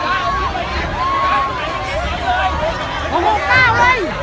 ก็ไม่มีเวลาให้กลับมาเท่าไหร่